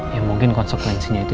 ya mungkin konsekuensinya itu